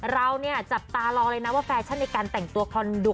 เราเนี่ยจับตารอเลยนะว่าแฟชั่นในการแต่งตัวคอนดุก